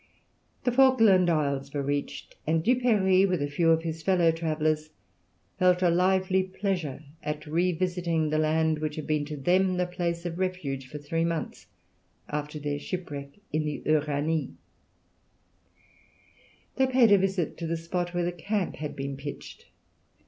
The Falkland Isles were reached, and Duperrey with a few of his fellow travellers felt a lively pleasure at revisiting the land which had been to them a place of refuge for three months after their shipwreck in the Uranie. They paid a visit to the spot where the camp had been pitched.